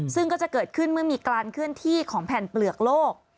ซึ่งก็จะเกิดขึ้นเมื่อมีการเคลื่อนที่ของแผ่นเปลือกโลก